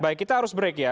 baik kita harus break ya